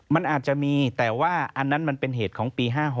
มันอาจจะมีแต่ว่าอันนั้นมันเป็นเหตุของปี๕๖